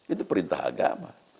itu perintah agama